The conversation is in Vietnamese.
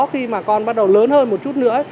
khi mà con bắt đầu lớn hơn một chút nữa